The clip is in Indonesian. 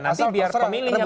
nanti biar pemilih yang mau